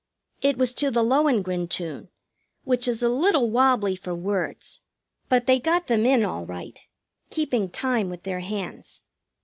It was to the Lohengrin tune, which is a little wobbly for words, but they got them in all right, keeping time with their hands.